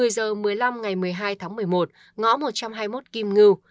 một mươi giờ một mươi năm ngày một mươi hai tháng một mươi một ngõ một trăm hai mươi một kim ngư